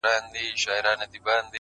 څو څو ځله کښته پورته وروسته وړاندي.!